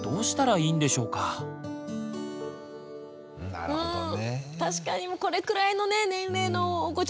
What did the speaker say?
なるほどね。